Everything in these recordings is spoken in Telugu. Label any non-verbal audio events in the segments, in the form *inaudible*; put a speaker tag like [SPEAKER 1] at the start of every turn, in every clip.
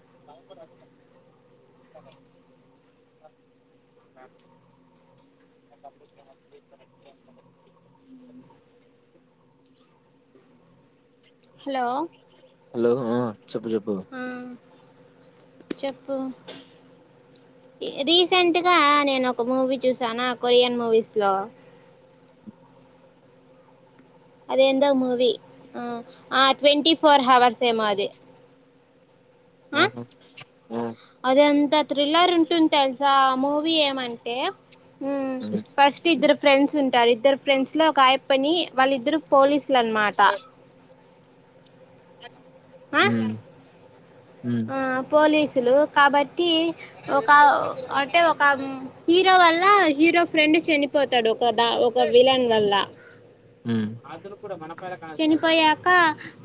[SPEAKER 1] *inaudible*
[SPEAKER 2] హలో
[SPEAKER 1] హలో ఆ చెప్పు చెప్పు
[SPEAKER 2] చెప్పు రీసెంట్గా నేను ఒక మూవీ చూసాను కొరియన్ మూవీస్ లో అది ఏందో మూవి ట్వంటీ ఫోర్ హవర్స్ ఏమో అది
[SPEAKER 1] మ్మ్
[SPEAKER 2] అద అంత థ్రిల్లర్ ఉంటుంది తెలుసా ఆ మూవీ ఏమంటే ఉ ఫస్ట్ ఇద్దరు ఫ్రెండ్స్ ఉంటారు ఇద్దరు ఫ్రెండ్స్ లో ఒక ఆయ పని వాళ్ళిద్దరు పోలీసులు అనమాట ఆ
[SPEAKER 1] మ్మ్ మ్మ్
[SPEAKER 2] ఆ పోలీసులు కాబట్టి ఒక అంటే ఒక హీరో వల్ల హీరో ఫ్రెండ్ చనిపోతాడు ఒకదా ఒక విలన్ వల్ల చనిపోయాక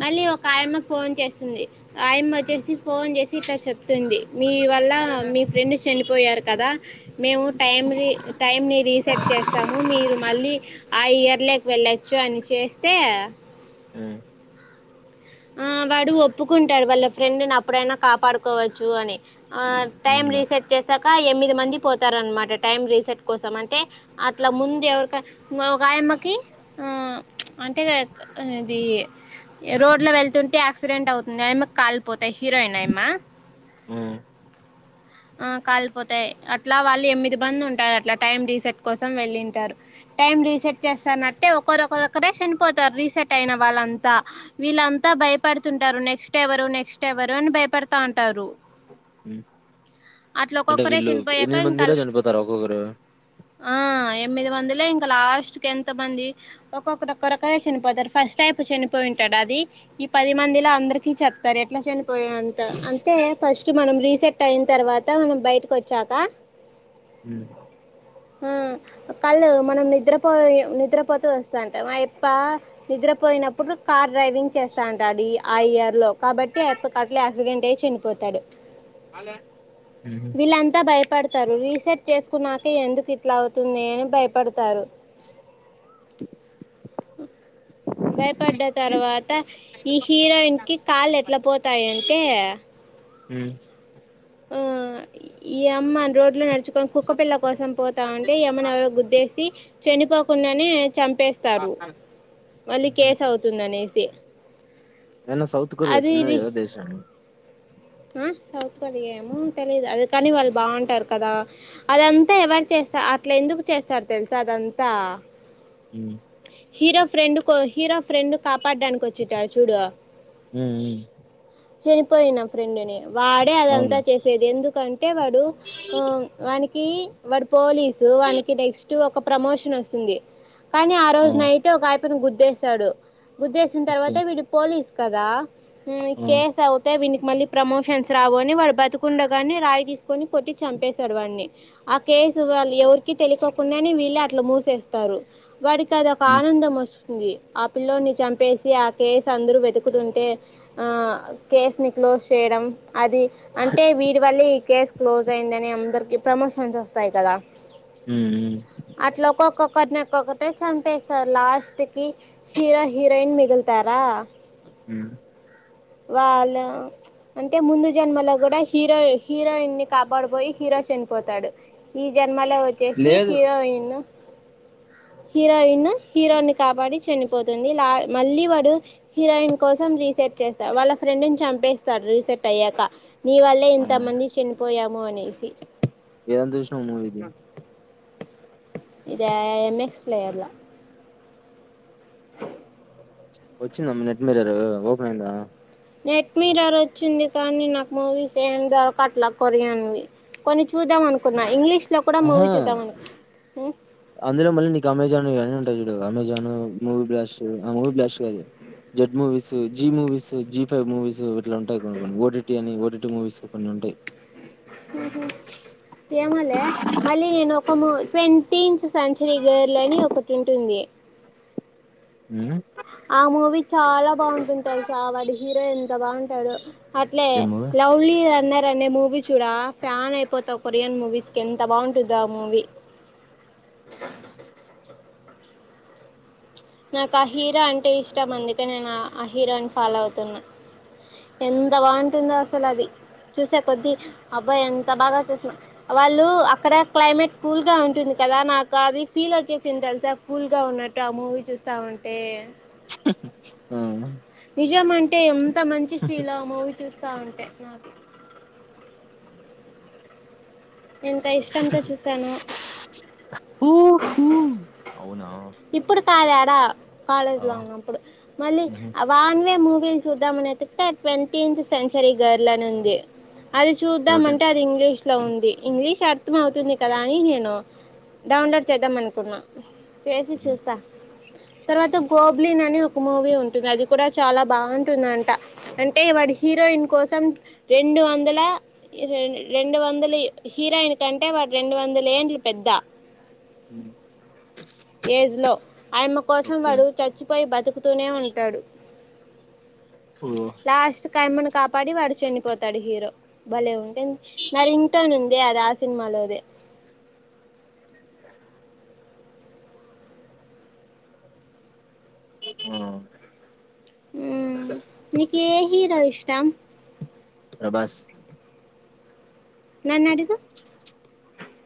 [SPEAKER 2] మళ్ళీ ఒక ఆయమ్మకు ఫోన్ చేసింది ఆయమ్మ వచ్చేసి ఫోన్ చేసి ఇట్లా చెప్తుంది మీ వల్ల మీ ఫ్రెండ్ చనిపోయారు కదా మేము టైం టైం ని రీసెర్ట్ చేస్తాము మీరు మళ్ళీ ఆ ఇయర్లోకి వెళ్ళచ్చు అని చేస్తే.
[SPEAKER 1] మ్మ్
[SPEAKER 2] ఆ వాడు ఒప్పుకుంటాడు వాళ్ళ ఫ్రెండ్ని అప్పుడైనా కాపాడుకోవచ్చు అని ఆ టైం
[SPEAKER 1] అవునులే
[SPEAKER 2] రీసెట్ చేసాక ఎనిమిది మంది పోతారు అనమాట టైం రీసెట్ కోసం అంటే అట్లా ముందు ఎవరి ఒకయమ్మకి ఆ అంటే ఇది రో ఇట్లో వెళ్తుంటే యాక్సిడెంట్ అవుతుంది ఆ కాలిపోతాయి హీరోయిన్ అయమా
[SPEAKER 1] మ్మ్
[SPEAKER 2] ఆ కాళ్ళుపోతాయి అట్లా వాళ్ళు ఎనిమిది మంది ఉంటారు అట్లా టైం రీసెట్ కోసం వెళ్ళింటారు టైం రీసెట్ చేస్తానట్ ఒకరొకరొఒకరే చనిపోతారు రీసెట్ అయిన వాళ్ళంతా వీళ్ళంతా భయపడుతుంటారు నెక్స్ట్ ఎవరు నెక్స్ట్ ఎవరు అని భయపడుతా ఉంటారు
[SPEAKER 1] మ్మ్
[SPEAKER 2] అట్లా
[SPEAKER 1] అంటే
[SPEAKER 2] ఒక్కొక్కరే
[SPEAKER 1] వీళ్ళు
[SPEAKER 2] చనిపోయాక
[SPEAKER 1] ఎనిమిది
[SPEAKER 2] ఇంకా
[SPEAKER 1] మందిలో చనిపోతారు ఒక్కొక్కరు
[SPEAKER 2] ఆ ఎనిమిది మందిలే ఇంకా లాస్ట్ క ఎంత మంది ఒక్కొక్కరు ఒక్క రకరే చనిపోతారు ఫస్ట్ అయిపు చనిపోయింటాడు అది ఈ పది మందిలో అందరికి చెప్తారు ఎట్లా చనిపోయి అంట అంటే ఫస్ట్ మనం రీసెట్ టైన్ తర్వాత మనం బయటకి వచ్చాక
[SPEAKER 1] మ్మ్
[SPEAKER 2] కళ్ళు మనం నిద్రపోయి నిద్రపోతూ వస్తాంట మా అప్ప నిద్రపోయినప్పుడు కార్ డ్రైవింగ్ చేస్తాంటాడు ఆ ఇయర్ లో కాబట్టి ఆయప్ప అట్లా యాక్సిడెంట్ అయి చనిపోతాడు
[SPEAKER 1] మ్మ్
[SPEAKER 2] వీళ్ళంతా భయపడతారు రీసెట్ చేసుకున్నాక ఎందుకు ఇట్లా అవుతుంది అని భయపడతారు భయపడ్డ తర్వాత ఈ హీరోయిన్ కి కాళ్లు ఎట్లా పోతాయంటే
[SPEAKER 1] మ్మ్
[SPEAKER 2] ఆ ఈ అమ్మ రోడ్లో నడుచుకొని కుక్కపిల్ల కోసం పోతా ఉంటే ఈ అమ్మను ఎవరో గుద్దేసి చనిపోకుండానే చంపేస్తారు మళ్ళీ కేసు అవుతుంది అనేసి
[SPEAKER 1] ఏన్న సౌత్ కొరియా చిన్న ఏదో దేశా అండి
[SPEAKER 2] ఆ సౌత్ కొరియా ఏమో తెలిదు అది కాని వాళ్ళు బాగుంటారు కదా అదంతా ఎవరు చేస్తారు అట్లా ఎందుకు చేస్తారు తెలుసు అదంతా
[SPEAKER 1] మ్మ్
[SPEAKER 2] హీరో ఫ్రెండ్ కో హీరో ఫ్రెండ్ కాపాడడానికి వచ్చేటడు చూడు
[SPEAKER 1] మ్మ్ మ్మ్
[SPEAKER 2] చనిపోయిన ఫ్రెండుని వాడే అదంతా
[SPEAKER 1] అవునులే
[SPEAKER 2] చేసేది ఎందుకంటే వాడు వానికి వాడు పోలీసు వానికి నెక్స్ట్ ఒక ప్రమోషన్ వస్తుంది కానీ ఆ రోజు నైట్ ఒక ఆయపన గుద్దేసాడు గుద్దేసిన
[SPEAKER 1] ఓకే
[SPEAKER 2] తర్వాత వీడు పోలీసు కదా
[SPEAKER 1] ఆ
[SPEAKER 2] కేసు అవుతే వీన్కి మళ్ళీ ప్రమోషన్స్ రావని వాడు బతుకుండగానే రాయి తీసుకొని కొట్టి చంపసాడు వాడిని ఆ కేసు వాళ్ళు ఎవరికి తెలియకోకుండాని వీళ్ళు అట్లా మూసేస్తారు వాడికి అదొక
[SPEAKER 1] మ్మ్
[SPEAKER 2] ఆనందం వస్తుంది ఆ పిల్లోని చంపేసి ఆ కేసు అందరు వెతుకుతుంటే ఆ కేసు ని క్లోజ్ చేయడం అది అంటే వీటి వల్లే ఈ కేసు క్లోజ్ అయిందిని అందరికి ప్రమోషన్స్ వస్తాయి కదా
[SPEAKER 1] మ్మ్
[SPEAKER 2] అట్లా ఒక్కొక్కొక్కటిని ఒక్కొక్కటే చంపేస్తారు లాస్ట్ కి హీరో హీరోయిన్ మిగులుతారా
[SPEAKER 1] మ్మ్
[SPEAKER 2] వాళ్ళ అంటే ముందు జన్మలో కూడా హీరో హీరోయిన్ ని కాపాడుపోయి హీరో చనిపోతాడు ఈ జన్మ లో వచ్చేసి
[SPEAKER 1] లేదు
[SPEAKER 2] హీరోయిన్ ను హీరోయిన్ హీరోయిన్ ని కాపాడి చనిపోతుంది లా మళ్ళీ వాడు హీరోయిన్ కోసం రీసెర్చ్ చేస్తా వాళ్ళ ఫ్రెండ్ని చంపేస్ స్తాడు రిసెట్ అయ్యాక నీ వల్లే
[SPEAKER 1] ఆ
[SPEAKER 2] ఇంత మంది చనిపోయాము అనేసి
[SPEAKER 1] ఏం జూసినవ్ మూవి ది
[SPEAKER 2] ఇది ఎంఎక్స్ ప్లేయర్లా
[SPEAKER 1] వచ్చిందమ్ నెట్ మీరర్ ఓపన్ అయింద
[SPEAKER 2] నెట్ మీరర్ వచ్చింది కానీ నాకు మూవీ ఏ దొరక అట్లా కొరియన్వి కొన్ని చూద్దాం అనుకున్నా ఇంగ్లీష్ లో కూడా మూవీ
[SPEAKER 1] ఆహా
[SPEAKER 2] చూద్దాం అనుకు
[SPEAKER 1] అందులో మళ్ళీ నీకు అమెజాన్ అని ఉంటా చూడు అమెజాన్ మూవీ బ్లాష్ట్ ఆ మూవీ బ్లాష్ట్ కాదు jet movies Zee movies Zee five movies లోంటాయి కొన్ని కొన్ని ఓడిటి అని ఓడి మూవిస్ కొన్ని ఉంటాయి
[SPEAKER 2] ఏమొ లే మళ్ళీ నేను ఒక మూవీ ట్వంటిన్ సంచర గర్ల అని ఒకటి ఉంటుంది
[SPEAKER 1] హ
[SPEAKER 2] ఆమువి చాలా బాగుంటుంటలుసా వాడు హీరో ఎంత బాగుంటాడు అట్లే
[SPEAKER 1] ఏం మూవీ
[SPEAKER 2] లవలీ అ అనే మూవీ చూడా ఫ్యాన్ అయిపోతావు కొరియన్ మూవీస్ కి ఎంత బాగుంటుందో ఆ మూవీ నాకు ఆ హీరో అంటే ఇష్టం అందుకే నేను ఆ హీరోని ఫాలో అవుతున్నా ఎంత బాగుంటుందో అసలు అది చూసే కొద్ది అబ్బాయి ఎంత బాగా చూసిన వాళ్ళు అక్కడ క్లైమేట్ కూల్గా ఉంటుంది కదా నాకు అది ఫీల్ వచ్చేసింది తెలుసా కూల్ గా ఉన్నట్టు ఆ మూవీ చూసి స్తా ఉంటే
[SPEAKER 1] ఆ
[SPEAKER 2] నిజం అంటే ఎంత మంచి ఫీల్ మూవీ చూస్తా ఉంటే నాకు ఎంత ఇష్టంతో చూసాను
[SPEAKER 1] ఊహూ అవునా
[SPEAKER 2] ఇప్పుడు సదాడ కాలేజ్
[SPEAKER 1] ఆ
[SPEAKER 2] లో ఉన్నప్పుడు మళ్ళీ
[SPEAKER 1] ఉహూ
[SPEAKER 2] వాన్వే మూీ చూద్దామని వెతికితే ట్వంటన్ సెంచరీ గర్ల్ అని ఉంది అది చూద్దాం
[SPEAKER 1] ప్రోటీన్
[SPEAKER 2] అంటే అది ఇంగ్లీష్ లో ఉంది ఇంగ్లీష్ అర్థం అవుతుంది కదా అని నేను డౌన్లోడ్ చేద్దాం అనుకున్నా చెసి చూస్తా తర్వాత గోబ్లిన్ అని ఒక మూవీ ఉంటుంది అది కూడా చాలా బాగుంటుందంట అంటే వాడు హీరోయిన్ కోసం రెండు వందల రెండు వందల హీరోయిన్ ంటే వాడు రెండు వందల ఏండ్లు పెద్ద
[SPEAKER 1] హ
[SPEAKER 2] అ ఏజ్ లో ఆయమ్మ కోసం
[SPEAKER 1] ఓకే
[SPEAKER 2] వాడు చచ్చిపోయి బతుకుతూనే ఉంటాడు
[SPEAKER 1] ఓ
[SPEAKER 2] కైమ్మను కాపాడి వాడు చనిపోతాడు హీరో భలే ఉ మరి ఇంటానం దే అది ఆ సినిమాలోదే.
[SPEAKER 1] మ్మ్
[SPEAKER 2] మ్మ్ నీకు ఏ హీరో ఇష్టం?
[SPEAKER 1] ప్రభాస్
[SPEAKER 2] నన్ను అడుగు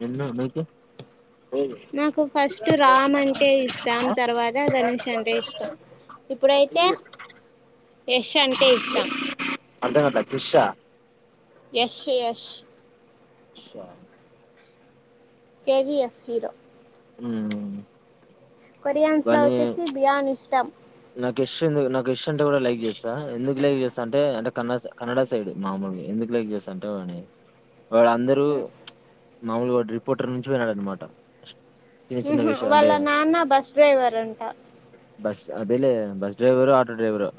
[SPEAKER 1] ఎన్ను నీకి
[SPEAKER 2] నాకు ఫస్ట్ రామ్ అంటే ఇష్టం తర్వాత ధనుష్ అంటే ఇష్టం ఇప్పుడైతే యష్ అంటే ఇష్టం.
[SPEAKER 1] అంటేనత క్రిష్షా
[SPEAKER 2] యష్ష్ యష్
[SPEAKER 1] షా
[SPEAKER 2] కే జీ యఫ్ హీరో
[SPEAKER 1] మ్మూ
[SPEAKER 2] కొరియాన్స్ లీ వచ్చేసి భియాన్ ఇష్టం.
[SPEAKER 1] నాకు యష్ ఎందుకు నాకు యష్ అంటే కూడా లైక్ చేస్తా. ఎందుకు లైక్ చేస్త అంటే అంటే కన్ కన్నడ సైడ్ మామూలుగా ఎందుకు లైక్ చేస్తా అంటే వాన్ని? వాళ్ళందరూ మామూలుగా వాడు రిపోర్టర్ నుంచి వొయినాడన్నమాట
[SPEAKER 2] హ్మ్ హు వాళ్ళ నాన్న బస్ డ్రైవర్ అంట.
[SPEAKER 1] బస్ అదేలే బస్ డ్రైవరో, ఆటో డ్రైవరో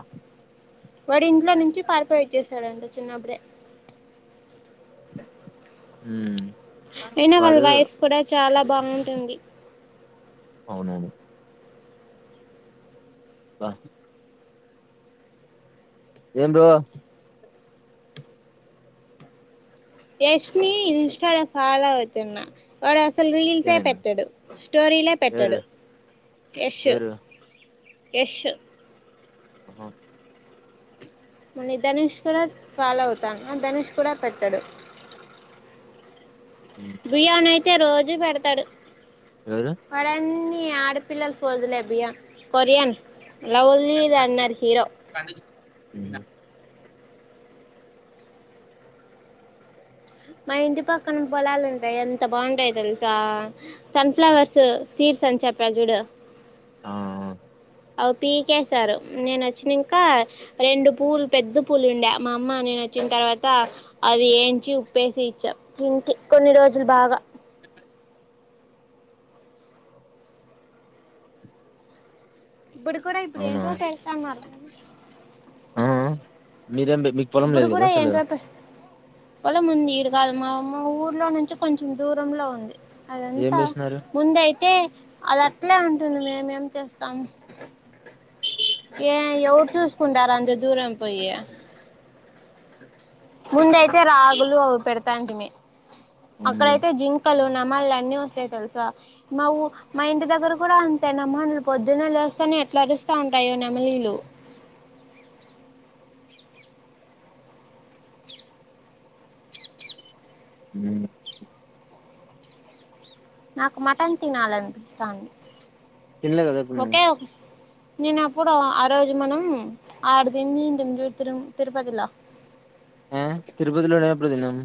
[SPEAKER 2] వాడు ఇంట్లో నుంచి పారిపోయి వచ్చేస్ చ్చడంట చిన్నపుడే.
[SPEAKER 1] మ్మ్
[SPEAKER 2] అయినా వాళ్ళ వైఫ్ కూడా చాలా బాగుంటుంది.
[SPEAKER 1] అవునవును వ ఏం బ్రో
[SPEAKER 2] యష్ నీ ఇన్స్టాలో ఫాలో అవుతున్నా. వాడు అసలు రీల్సే
[SPEAKER 1] ఇచ్చానండి
[SPEAKER 2] పెట్టడు స్టోరీలే
[SPEAKER 1] ఎవరు
[SPEAKER 2] పెట్టడు యష్షు.
[SPEAKER 1] ఎవరు
[SPEAKER 2] యష్షు
[SPEAKER 1] అహ
[SPEAKER 2] నీ ధనుష్ కూడా ఫాలో అవుతాను ధనుష్ కూడా పెట్టడు.
[SPEAKER 1] ఉమ్
[SPEAKER 2] భియాన్ అయి తే రోజు పెడుతడు
[SPEAKER 1] ఎవరు
[SPEAKER 2] వాడన్నీ ఆడపిల్లలు ఫోజులే భియాన్ కొరియన్ లవ్లీ రన్నర్ హీరో
[SPEAKER 1] అ
[SPEAKER 2] మా ఇంటి పక్కన పొలలుంటై ఎంత బాగుంటాయో తెలుసా సన్ఫ్లవర్స్ సీడ్స్ అని చెప్పా చూడు.
[SPEAKER 1] ఆ
[SPEAKER 2] అవి పీకేశారు నేన వచ్చిన ఇంకా రెండు పూలు పెద్ద పూలు ఉండే మా అమ్మ నేన వచ్చిన తర్వాత అవి ఏంచి ఉప్పేసి ఇచ్చా తింటి కొన్ని రోజులు బాగా ఇప్పుడు కూడా ఇప్పుడు
[SPEAKER 1] అవునా
[SPEAKER 2] ఏంటో చేస్తాన్నారు
[SPEAKER 1] అ మీరేం మీకు పొలం లేదు కదా అసలు
[SPEAKER 2] వాళ్ళ ముందు ఇడ కాదు మా ఆమా ఊర్లో నుంచి కొంచెం దూరంలో ఉంది.
[SPEAKER 1] ఏం
[SPEAKER 2] అదంతా
[SPEAKER 1] వేసినారు
[SPEAKER 2] ముందయితే అది అట్లే ఉంటుంది మేమేం ఏ ఎవరు చూసుకుంటారా అంతే దూరం పోయి ముందైతే రాగులు అవ్ పెడతాంటిమీ
[SPEAKER 1] అవునులే
[SPEAKER 2] అక్కడయితే జింకలు ఉన్నా మ్మళ అన్నీ వస్తాయి తెలుసా మాఊ మా ఇంటి దగ్గర కూడా అంతే నమ నేను పొద్దున్న లేస్తేనే ఎట్లా అరుస్తా ఉంటాయో నెమలీలు.
[SPEAKER 1] అ
[SPEAKER 2] నాకు మటన్ తినాలనిపిస్తాంది
[SPEAKER 1] తినలే కదా అప్పుడు నువ్వు
[SPEAKER 2] ఒకే ఒక నేను అప్పుడు ఆ రోజు మనం ఆడ తినీటీం తిరు తిరుపతిలో
[SPEAKER 1] ఆ తిరుపతిలోనా ఎప్పుడు తిన్నాం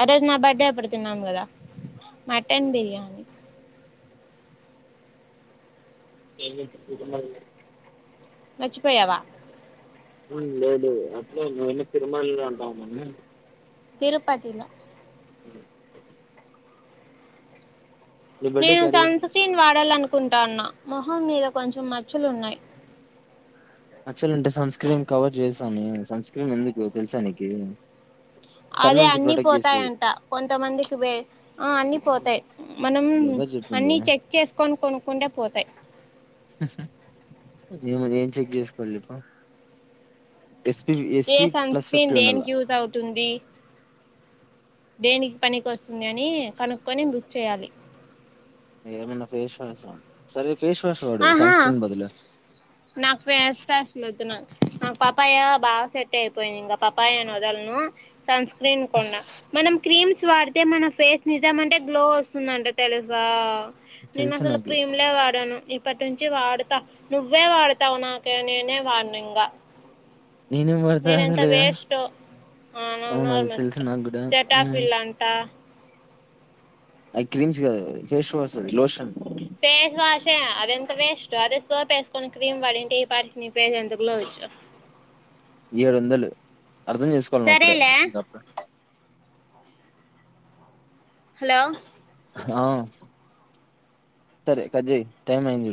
[SPEAKER 2] ఆ రోజు నా బర్త్డే పడుతున్నాం కదా మటన్ బిర్యానీ.
[SPEAKER 1] ఎ
[SPEAKER 2] మాచ్చిపోయావా
[SPEAKER 1] లేదు అట్లే మేము తిరుమల అంటా మని
[SPEAKER 2] తిరుపతిలో
[SPEAKER 1] అ
[SPEAKER 2] నేను
[SPEAKER 1] బర్త్డేకి అడిగిన
[SPEAKER 2] సన్ స్క్రీన్ వాడాల అను కుంటాన్నా మొహం మీద కొంచెం మచ్చలున్నాయి
[SPEAKER 1] మచ్చలు అంటే సన్ స్క్రీన్ కవర్ చేస్తన్నాయా సన్ స్క్రీన్ ఎందుకు తెలుసా నికి
[SPEAKER 2] అదే అన్ని పోతాయంట కొంతమందికి వే ఆ అన్ని పోతాయి మనం
[SPEAKER 1] ఎవరు చెప్పింది
[SPEAKER 2] అన్ని చెక్ చేసుకొని కొను కుండా పోతాయి
[SPEAKER 1] ఏమో ఏం చెక్ చేసుకోవాలిప
[SPEAKER 2] ఏ సన్ స్క్రీన్ దేనికి యూజ్ అవుతుంది దేనికికి పని కోస్ ంది అని కనుక్కొని బుక్ చేయాలి
[SPEAKER 1] ఏమన్నా ఫేస్ వాష్ ఆ
[SPEAKER 2] ఆహా నాకు ఫేస్ వాష్ లు వద్దు నాకు ఆ పాప్పాయ బా సెట్ అయిపోయిందింగ పాప్పాయిను వదల్ ను సన్ స్క్రీన్ కొన్న మనం క్రీమ్స్ వాడితే మన ఫేస్ నిజం అంటే గ్లో వస్తుందంట తెలుసా నేను
[SPEAKER 1] తెలుసు
[SPEAKER 2] అసలు
[SPEAKER 1] నాకి
[SPEAKER 2] క్రీమ్లే వాడాను ఇప్పటి నుంచి వాడతా నువ్వే వాడతావు నాకే నేనే వాడ్ను ఇక
[SPEAKER 1] నేనేం వాడతా
[SPEAKER 2] నేనెంత
[SPEAKER 1] అసలు
[SPEAKER 2] వేస్ట్ ఓ ఆ న
[SPEAKER 1] అవును
[SPEAKER 2] నార్
[SPEAKER 1] అది తెలుసు
[SPEAKER 2] మూస్కో
[SPEAKER 1] నాకు కూడా
[SPEAKER 2] సెట్ ఆఫ్
[SPEAKER 1] ఉమ్,
[SPEAKER 2] ల్ అంటా
[SPEAKER 1] ఐ క్రీమ్స్ కాదా ఫేస్ వాష్ అదిలోషన్
[SPEAKER 2] తోటేసుకోని క్రీమ్ పడంటి పే ఎందుకు్లో వచ్చు
[SPEAKER 1] ఏడు వందలు అర్థం చేసుకోవాలం అప్పుడే
[SPEAKER 2] సరేలే హలో
[SPEAKER 1] ఆ సరే కట్జేయి టైమ్ అయింది చూడు